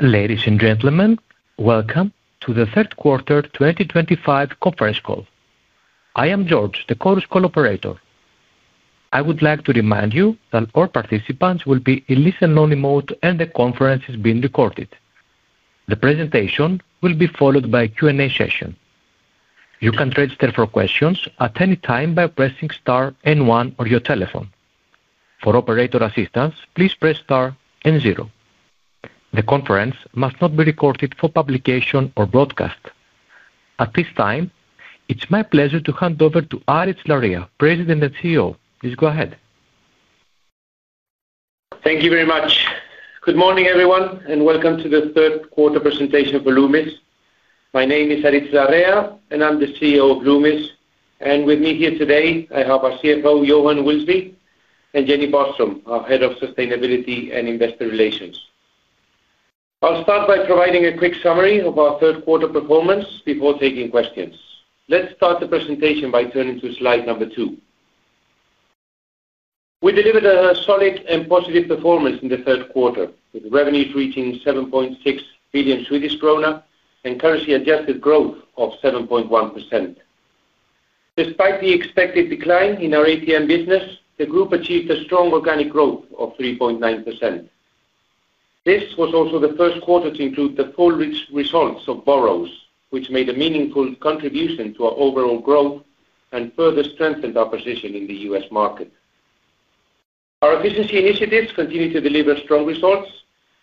Ladies and gentlemen, welcome to the Third Quarter 2025 Conference Call. I am Georges, the call's co-operator. I would like to remind you that all participants will be in listen-only mode, and the conference is being recorded. The presentation will be followed by a Q&A session. You can register for questions at any time by pressing star *1 on your telephone. For operator assistance, please press star *0. The conference must not be recorded for publication or broadcast. At this time, it's my pleasure to hand over to Aritz Larrea, President and CEO. Please go ahead. Thank you very much. Good morning, everyone, and welcome to the third quarter presentation for Loomis AB. My name is Aritz Larrea, and I'm the CEO of Loomis AB. With me here today, I have our CFO, Johan Wilsby, and Jenny Boström, our Head of Sustainability and Investor Relations. I'll start by providing a quick summary of our third quarter performance before taking questions. Let's start the presentation by turning to slide number two. We delivered a solid and positive performance in the third quarter, with revenues reaching 7.6 billion Swedish krona and currency-adjusted growth of 7.1%. Despite the expected decline in our ATM business, the group achieved a strong organic growth of 3.9%. This was also the first quarter to include the full results of Burroughs, which made a meaningful contribution to our overall growth and further strengthened our position in the U.S. market. Our efficiency initiatives continue to deliver strong results,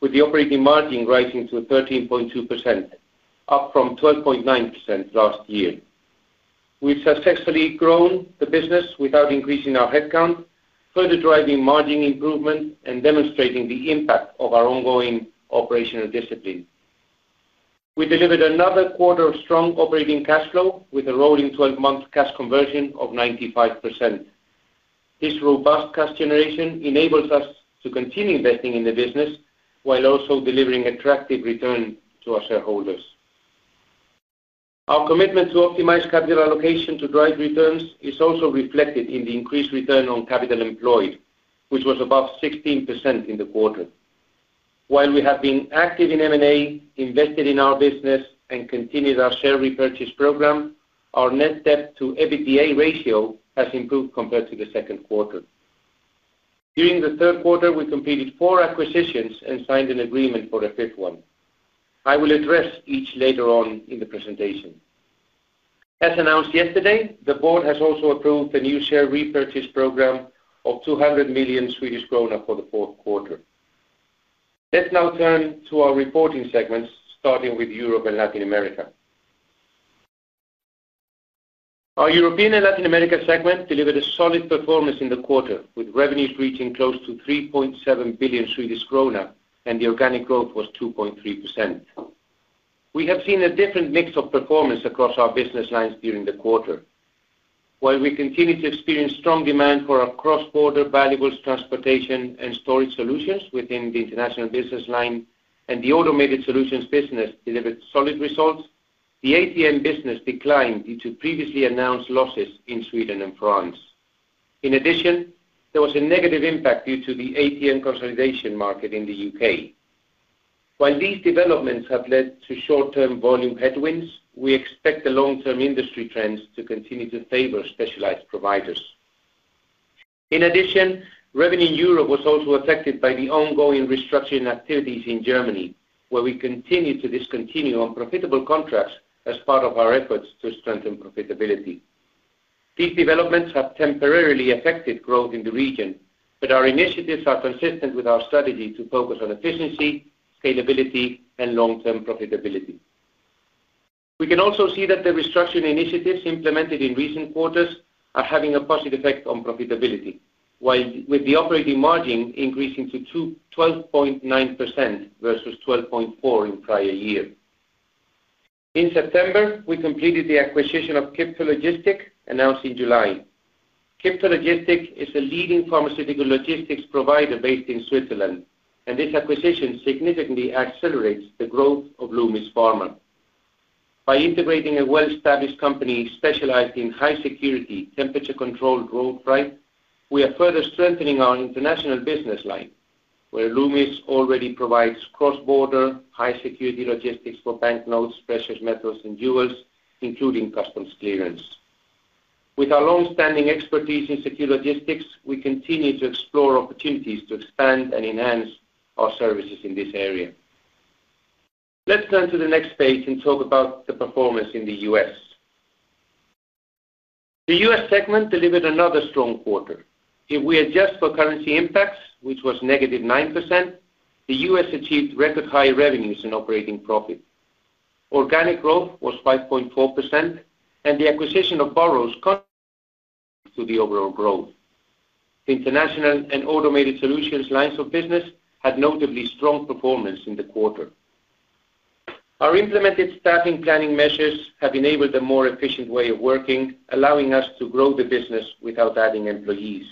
with the operating margin rising to 13.2%, up from 12.9% last year. We've successfully grown the business without increasing our headcount, further driving margin improvement and demonstrating the impact of our ongoing operational discipline. We delivered another quarter of strong operating cash flow, with a rolling 12-month cash conversion of 95%. This robust cash generation enables us to continue investing in the business while also delivering attractive returns to our shareholders. Our commitment to optimize capital allocation to drive returns is also reflected in the increased return on capital employed, which was above 16% in the quarter. While we have been active in M&A, invested in our business, and continued our share repurchase program, our net debt-to-EBITDA ratio has improved compared to the second quarter. During the third quarter, we completed four acquisitions and signed an agreement for the fifth one. I will address each later on in the presentation. As announced yesterday, the board has also approved a new share repurchase program of 200 million Swedish krona for the fourth quarter. Let's now turn to our reporting segments, starting with Europe and Latin America. Our European and Latin America segment delivered a solid performance in the quarter, with revenues reaching close to 3.7 billion Swedish krona, and the organic growth was 2.3%. We have seen a different mix of performance across our business lines during the quarter. While we continue to experience strong demand for our cross-border valuables, transportation, and storage solutions within the international business line, and the Automated Solutions business delivered solid results, the ATM business declined due to previously announced losses in Sweden and France. In addition, there was a negative impact due to the ATM consolidation market in the UK. While these developments have led to short-term volume headwinds, we expect the long-term industry trends to continue to favor specialized providers. In addition, revenue in Europe was also affected by the ongoing restructuring activities in Germany, where we continue to discontinue unprofitable contracts as part of our efforts to strengthen profitability. These developments have temporarily affected growth in the region, but our initiatives are consistent with our strategy to focus on efficiency, scalability, and long-term profitability. We can also see that the restructuring initiatives implemented in recent quarters are having a positive effect on profitability, with the operating margin increasing to 12.9% versus 12.4% in prior years. In September, we completed the acquisition of Kipfer-Logistik, announced in July. Kipfer-Logistik is a leading pharmaceutical logistics provider based in Switzerland, and this acquisition significantly accelerates the growth of Loomis Pharma. By integrating a well-established company specialized in high-security, temperature-controlled road freight, we are further strengthening our international business line, where Loomis already provides cross-border high-security logistics for banknotes, precious metals, and jewels, including customs clearance. With our long-standing expertise in secure logistics, we continue to explore opportunities to expand and enhance our services in this area. Let's turn to the next page and talk about the performance in the US. The US segment delivered another strong quarter. If we adjust for currency impacts, which was negative 9%, the US achieved record-high revenues and operating profit. Organic growth was 5.4%, and the acquisition of Burroughs contributed to the overall growth. The international and Automated Solutions lines of business had notably strong performance in the quarter. Our implemented staffing planning measures have enabled a more efficient way of working, allowing us to grow the business without adding employees.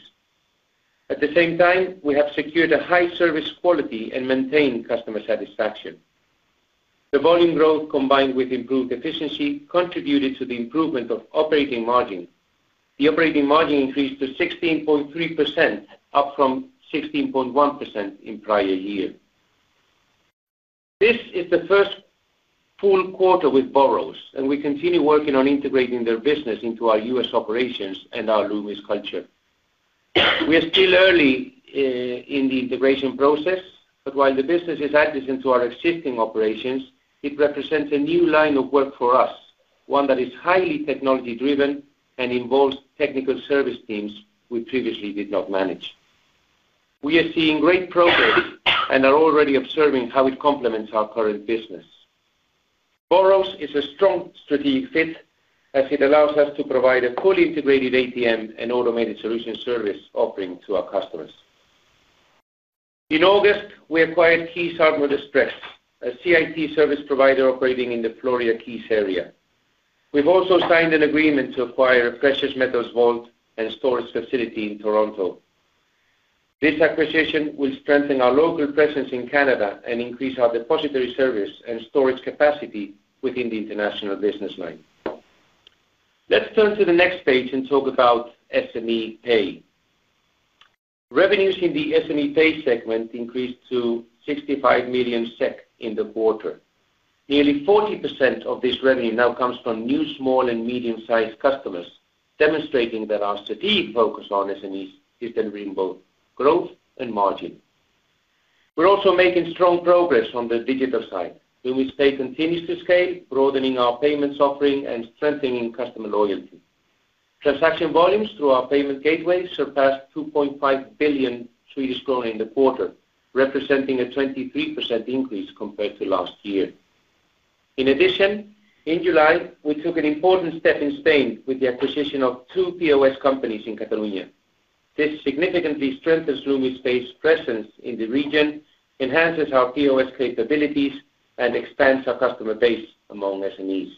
At the same time, we have secured a high service quality and maintained customer satisfaction. The volume growth, combined with improved efficiency, contributed to the improvement of operating margin. The operating margin increased to 16.3%, up from 16.1% in prior years. This is the first full quarter with Burroughs, and we continue working on integrating their business into our U.S. operations and our Loomis culture. We are still early in the integration process, but while the business is adjacent to our existing operations, it represents a new line of work for us, one that is highly technology-driven and involves technical service teams we previously did not manage. We are seeing great progress and are already observing how it complements our current business. Burroughs is a strong strategic fit as it allows us to provide a fully integrated ATM and Automated Solutions service offering to our customers. In August, we acquired Keys Hardware Distress, a CIT service provider operating in the Florida Keys area. We've also signed an agreement to acquire a precious metals vault and storage facility in Toronto. This acquisition will strengthen our local presence in Canada and increase our depository service and storage capacity within the international business line. Let's turn to the next page and talk about SME Pay. Revenues in the SME Pay segment increased to 65 million SEK in the quarter. Nearly 40% of this revenue now comes from new small and medium-sized customers, demonstrating that our strategic focus on SMEs is delivering both growth and margin. We're also making strong progress on the digital side. Loomis Pay continues to scale, broadening our payments offering and strengthening customer loyalty. Transaction volumes through our payment gateway surpassed 2.5 billion Swedish kronor in the quarter, representing a 23% increase compared to last year. In addition, in July, we took an important step in Spain with the acquisition of two POS companies in Catalonia. This significantly strengthens Loomis Pay's presence in the region, enhances our POS capabilities, and expands our customer base among SMEs.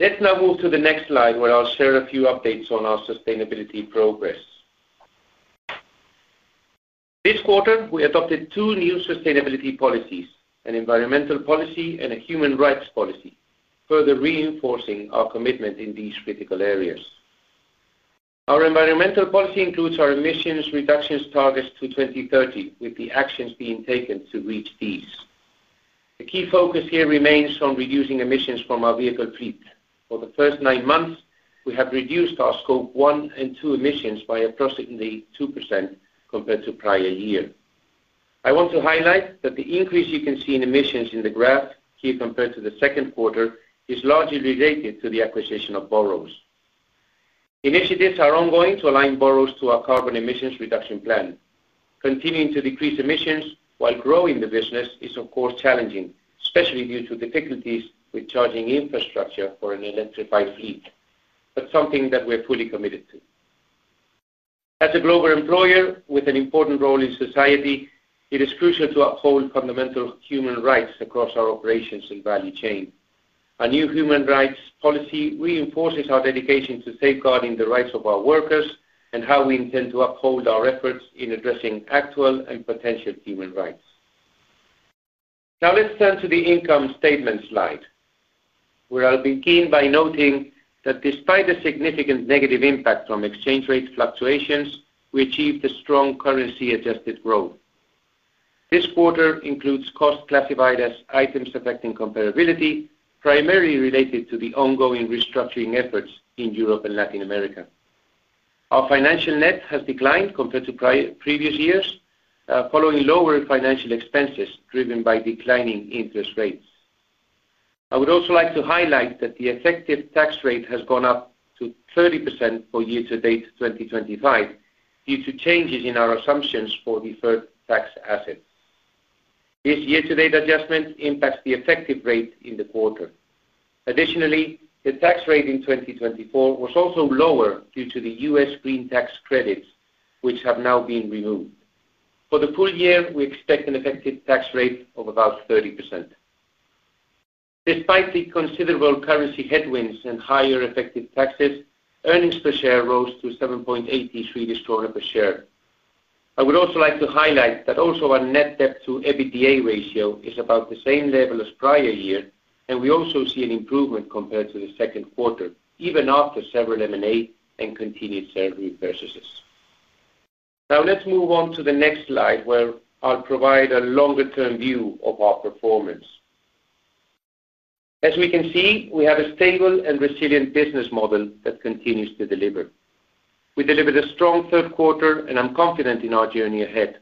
Let's now move to the next slide, where I'll share a few updates on our sustainability progress. This quarter, we adopted two new sustainability policies: an environmental policy and a human rights policy, further reinforcing our commitment in these critical areas. Our environmental policy includes our emissions reduction targets to 2030, with the actions being taken to reach these. The key focus here remains on reducing emissions from our vehicle fleet. For the first nine months, we have reduced our scope 1 and 2 emissions by approximately 2% compared to prior year. I want to highlight that the increase you can see in emissions in the graph here compared to the second quarter is largely related to the acquisition of Burroughs. Initiatives are ongoing to align Burroughs to our carbon emissions reduction plan. Continuing to decrease emissions while growing the business is, of course, challenging, especially due to difficulties with charging infrastructure for an electrified fleet, but something that we're fully committed to. As a global employer with an important role in society, it is crucial to uphold fundamental human rights across our operations and value chain. Our new human rights policy reinforces our dedication to safeguarding the rights of our workers and how we intend to uphold our efforts in addressing actual and potential human rights. Now, let's turn to the income statement slide, where I'll begin by noting that despite the significant negative impact from exchange rate fluctuations, we achieved a strong currency-adjusted growth. This quarter includes costs classified as items affecting comparability, primarily related to the ongoing restructuring efforts in Europe and Latin America. Our financial net has declined compared to previous years, following lower financial expenses driven by declining interest rates. I would also like to highlight that the effective tax rate has gone up to 30% for year-to-date 2025 due to changes in our assumptions for the third tax asset. This year-to-date adjustment impacts the effective rate in the quarter. Additionally, the tax rate in 2024 was also lower due to the U.S. green tax credits, which have now been removed. For the full year, we expect an effective tax rate of about 30%. Despite the considerable currency headwinds and higher effective taxes, earnings per share rose to 7.80 per share. I would also like to highlight that also our net debt-to-EBITDA ratio is about the same level as prior year, and we also see an improvement compared to the second quarter, even after several M&A and continued share repurchases. Now, let's move on to the next slide, where I'll provide a longer-term view of our performance. As we can see, we have a stable and resilient business model that continues to deliver. We delivered a strong third quarter, and I'm confident in our journey ahead.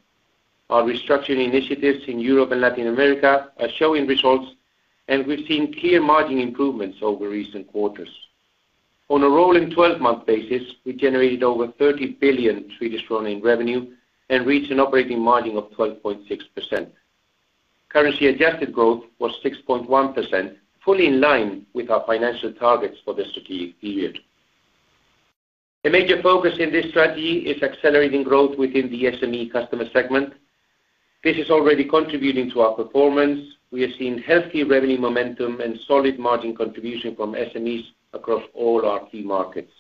Our restructuring initiatives in Europe and Latin America are showing results, and we've seen clear margin improvements over recent quarters. On a rolling 12-month basis, we generated over 30 billion in revenue and reached an operating margin of 12.6%. Currency-adjusted growth was 6.1%, fully in line with our financial targets for the strategic period. A major focus in this strategy is accelerating growth within the SME customer segment. This is already contributing to our performance. We have seen healthy revenue momentum and solid margin contribution from SMEs across all our key markets.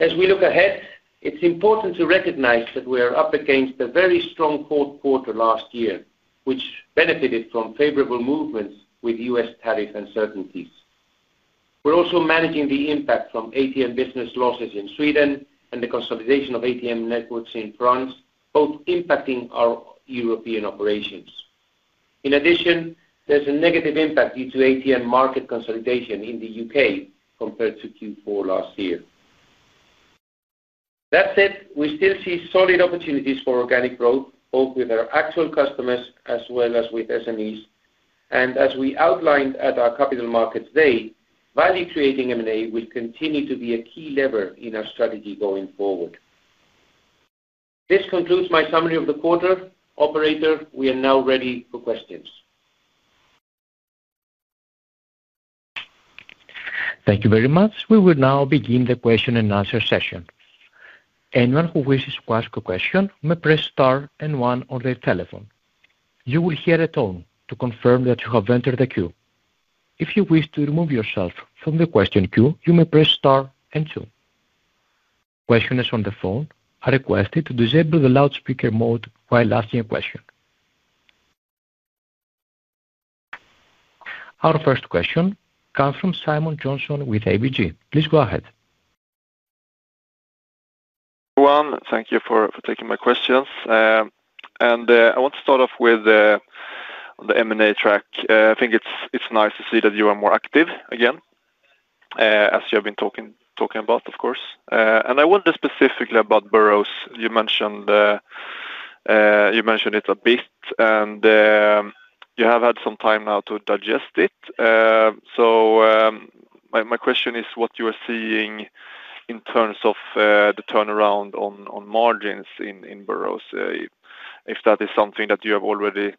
As we look ahead, it's important to recognize that we are up against a very strong fourth quarter last year, which benefited from favorable movements with U.S. tariff uncertainties. We're also managing the impact from ATM business losses in Sweden and the consolidation of ATM networks in France, both impacting our European operations. In addition, there's a negative impact due to ATM market consolidation in the UK compared to Q4 last year. That said, we still see solid opportunities for organic growth, both with our actual customers as well as with SMEs. As we outlined at our capital markets today, value-creating M&A will continue to be a key lever in our strategy going forward. This concludes my summary of the quarter. Operator, we are now ready for questions. Thank you very much. We will now begin the question-and-answer session. Anyone who wishes to ask a question may press star and one on their telephone. You will hear a tone to confirm that you have entered the queue. If you wish to remove yourself from the question queue, you may press star and two. Questioners on the phone are requested to disable the loudspeaker mode while asking a question. Our first question comes from Simon Jönsson with ABG. Please go ahead. Thank you for taking my questions. I want to start off with the M&A track. I think it's nice to see that you are more active again, as you have been talking about, of course. I wonder specifically about Burroughs. You mentioned it a bit, and you have had some time now to digest it. My question is, what you are seeing in terms of the turnaround on margins in Burroughs, if that is something that you have already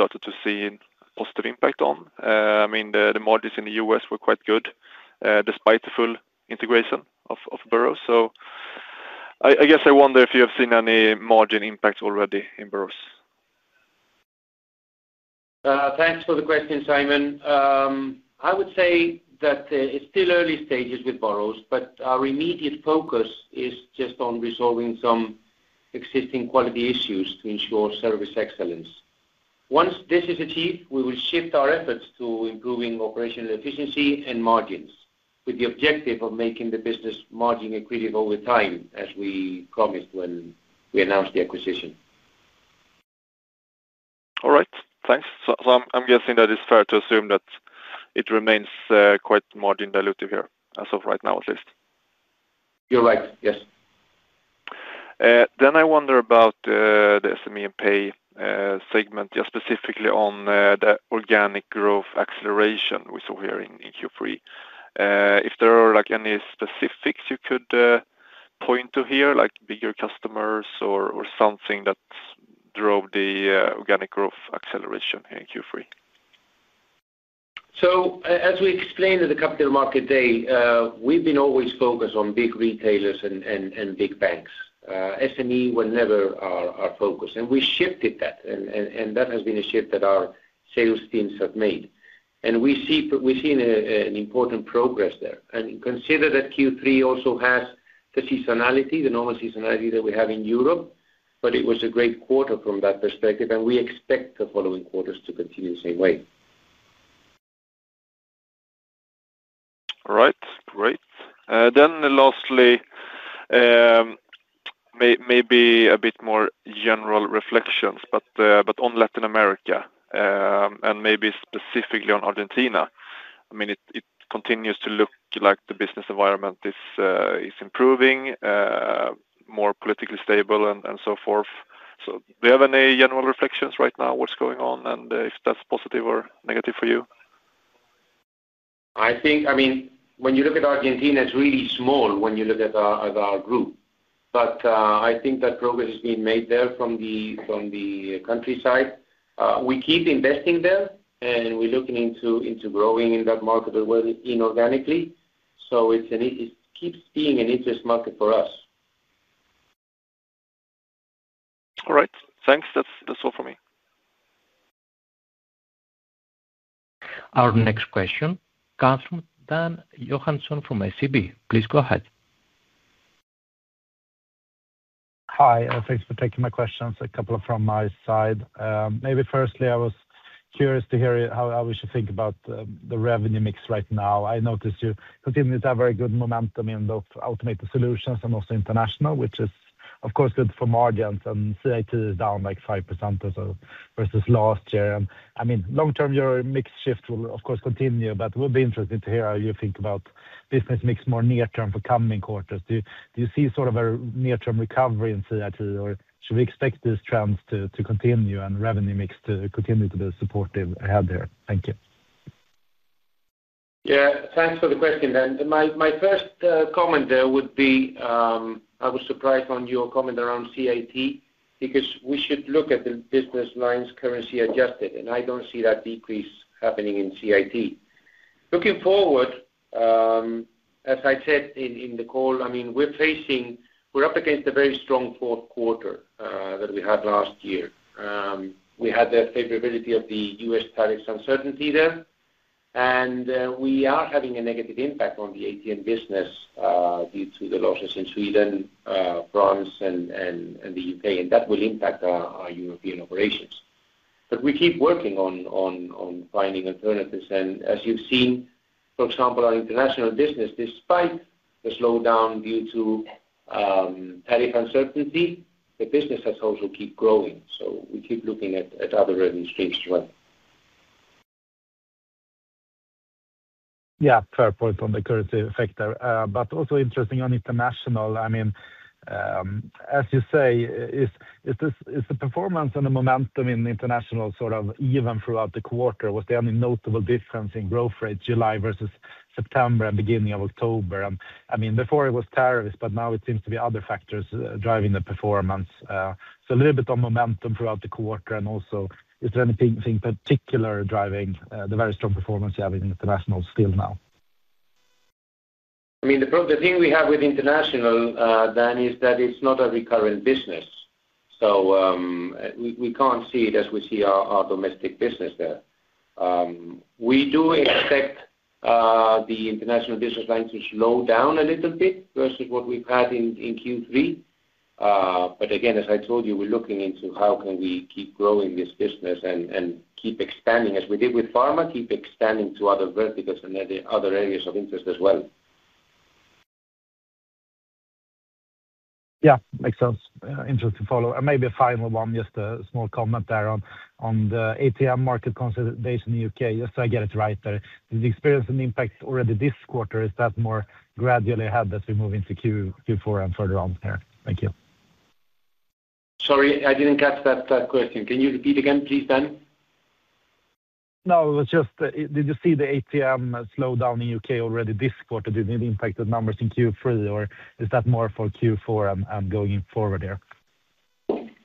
started to see a positive impact on? I mean, the margins in the U.S. were quite good despite the full integration of Burroughs. I guess I wonder if you have seen any margin impact already in Burroughs. Thanks for the question, Simon. I would say that it's still early stages with Burroughs, but our immediate focus is just on resolving some existing quality issues to ensure service excellence. Once this is achieved, we will shift our efforts to improving operational efficiency and margins with the objective of making the business margin equilibrium over time, as we promised when we announced the acquisition. All right. Thanks. I'm guessing that it's fair to assume that it remains quite margin diluted here as of right now, at least. You're right. Yes. I wonder about the SME and Pay segment, just specifically on the organic growth acceleration we saw here in Q3. If there are any specifics you could point to here, like bigger customers or something that drove the organic growth acceleration here in Q3. As we explained at the Capital Market Day, we've been always focused on big retailers and big banks. SMEs were never our focus, and we shifted that. That has been a shift that our sales teams have made. We've seen important progress there. Consider that Q3 also has the seasonality, the normal seasonality that we have in Europe, but it was a great quarter from that perspective, and we expect the following quarters to continue the same way. All right. Great. Lastly, maybe a bit more general reflections, but on Latin America, and maybe specifically on Argentina. I mean, it continues to look like the business environment is improving, more politically stable, and so forth. Do you have any general reflections right now, what's going on, and if that's positive or negative for you? I mean, when you look at Argentina, it's really small when you look at our group. I think that progress is being made there from the countryside. We keep investing there, and we're looking into growing in that market organically. It keeps being an interest market for us. All right. Thanks. That's all for me. Our next question comes from Dan Johansson from ACB. Please go ahead. Hi. Thanks for taking my questions. A couple from my side. Maybe firstly, I was curious to hear how we should think about the revenue mix right now. I noticed you continue to have very good momentum in both Automated Solutions and also International, which is, of course, good for margins. CIT is down like 5% versus last year. I mean, long-term, your mix shift will, of course, continue, but it will be interesting to hear how you think about business mix more near-term for coming quarters. Do you see sort of a near-term recovery in CIT, or should we expect these trends to continue and revenue mix to continue to be supportive ahead here? Thank you. Yeah. Thanks for the question, Dan. My first comment there would be I was surprised on your comment around CIT because we should look at the business lines currency-adjusted, and I don't see that decrease happening in CIT. Looking forward, as I said in the call, we're up against a very strong fourth quarter that we had last year. We had the favorability of the U.S. tariffs uncertainty there, and we are having a negative impact on the ATM business due to the losses in Sweden, France, and the UK, and that will impact our European operations. We keep working on finding alternatives. As you've seen, for example, our international business, despite the slowdown due to tariff uncertainty, the business has also kept growing. We keep looking at other revenue streams as well. Yeah. Fair point on the currency factor. Also interesting on international. As you say, is the performance and the momentum in international sort of even throughout the quarter? Was there any notable difference in growth rates July versus September and beginning of October? Before it was tariffs, but now it seems to be other factors driving the performance. A little bit on momentum throughout the quarter, and also is there anything particular driving the very strong performance you have in international still now? The thing we have with international, Dan, is that it's not a recurrent business. We can't see it as we see our domestic business there. We do expect the international business lines to slow down a little bit versus what we've had in Q3. Again, as I told you, we're looking into how can we keep growing this business and keep expanding, as we did with pharma, keep expanding to other verticals and other areas of interest as well. Yeah. Makes sense. Interesting follow-up. Maybe a final one, just a small comment there on the ATM market concentration in the UK, just so I get it right there. Did you experience an impact already this quarter, or is that more gradually ahead as we move into Q4 and further on here? Thank you. Sorry, I didn't catch that question. Can you repeat again, please, Dan? No, it was just, did you see the ATM slowdown in the UK already this quarter? Did it impact the numbers in Q3, or is that more for Q4 and going forward here?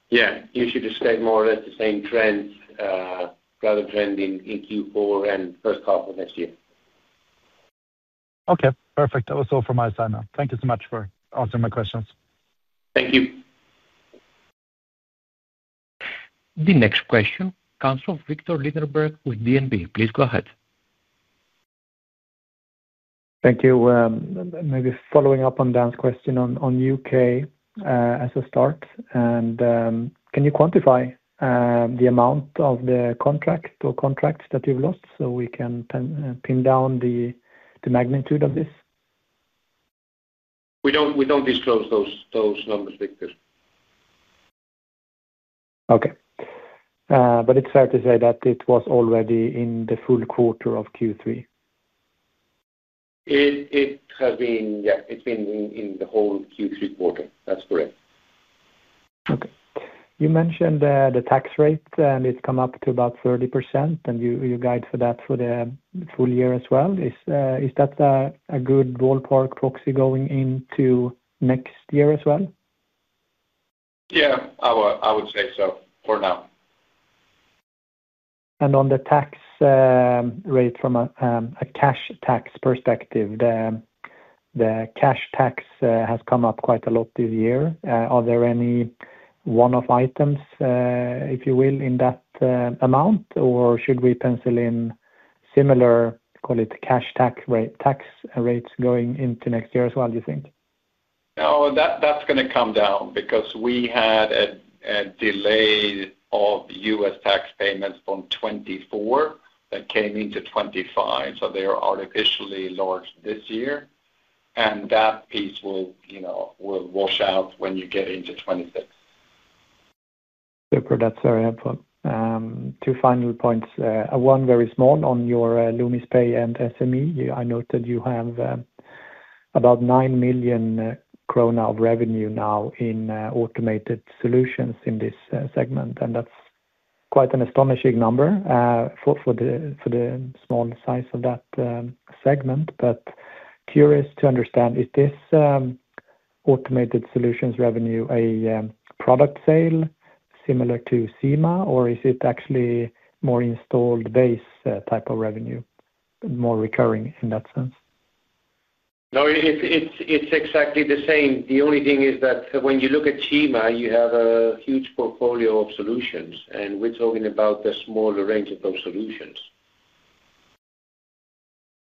Yeah. You should expect more or less the same trend, rather trending in Q4 and first half of next year. Okay. Perfect. That was all from my side now. Thank you so much for answering my questions. Thank you. The next question, Councilor Victor Lindenberg with DNB. Please go ahead. Thank you. Maybe following up on Dan's question on UK. As a start, can you quantify the amount of the contracts that you've lost so we can pin down the magnitude of this? We don't disclose those numbers, Victor. Okay. But it's fair to say that it was already in the full quarter of Q3? Yeah. It's been in the whole Q3 quarter. That's correct. Okay. You mentioned the tax rate, and it's come up to about 30%, and you guide for that for the full year as well. Is that a good ballpark proxy going into next year as well? Yeah. I would say so for now. On the tax rate from a cash tax perspective, the cash tax has come up quite a lot this year. Are there any one-off items, if you will, in that amount, or should we pencil in similar, call it cash tax rates going into next year as well, do you think? No, that's going to come down because we had a delay of U.S. tax payments from 2024 that came into 2025. They are artificially lowered this year, and that piece will wash out when you get into 2026. Super. That's very helpful. Two final points. One very small on your Loomis Pay and SME. I noted you have about 9 million krona of revenue now in Automated Solutions in this segment, and that's quite an astonishing number for the small size of that segment. Curious to understand, is this Automated Solutions revenue a product sale similar to CIMA, or is it actually more installed-based type of revenue, more recurring in that sense? No, it's exactly the same. The only thing is that when you look at CIMA, you have a huge portfolio of solutions, and we're talking about the smaller range of those solutions.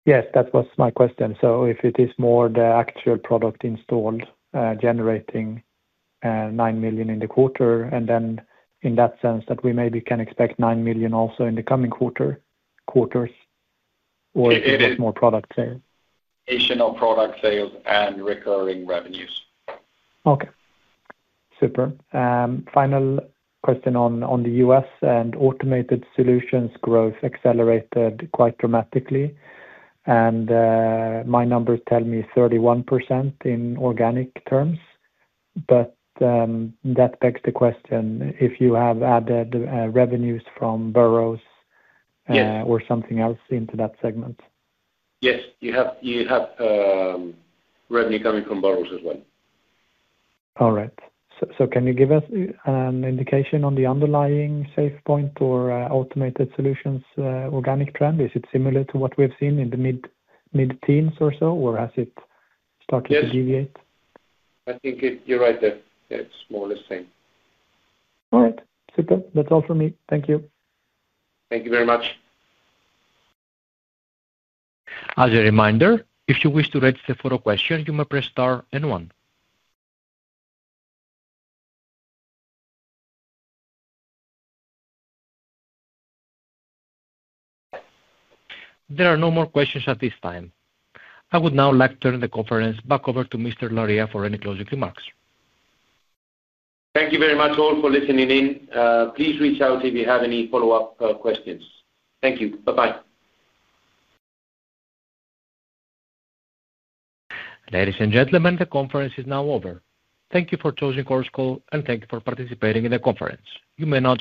Yes, that was my question. If it is more the actual product installed generating 9 million in the quarter, in that sense that we maybe can expect 9 million also in the coming quarters, or is it just more product sales, additional product sales and recurring revenues Okay. Super Final question on the U.S. and Automated Solutions growth accelerated quite dramatically. My numbers tell me 31% in organic terms. That begs the question if you have added revenues from Burroughs or something else into that segment. Yes, you have revenue coming from Burroughs as well. All right. Can you give us an indication on the underlying save point or Automated Solutions organic trend? Is it similar to what we've seen in the mid-teens or so, or has it started to deviate? Yes, I think you're right. It's more the same. All right. Super. That's all from me. Thank you. Thank you very much. As a reminder, if you wish to register for a question, you may press star and one. There are no more questions at this time. I would now like to turn the conference back over to Mr. Larrea for any closing remarks. Thank you very much all for listening in. Please reach out if you have any follow-up questions. Thank you. Bye-bye. Ladies and gentlemen, the conference is now over. Thank you for choosing Corusco, and thank you for participating in the conference. You may now.